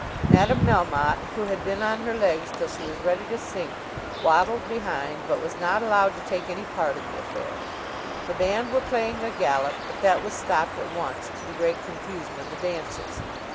Madame Melmotte, who had been on her legs till she was ready to sink, waddled behind, but was not allowed to take any part in the affair. The band were playing a galop, but that was stopped at once, to the great confusion of the dancers.